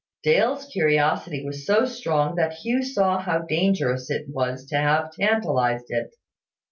Dale's curiosity was so strong that Hugh saw how dangerous it was to have tantalised it.